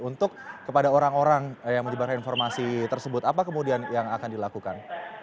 untuk kepada orang orang yang menyebarkan informasi tersebut apa kemudian yang akan dilakukan